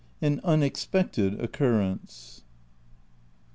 AN UNEXPECTED OCCURRENCE.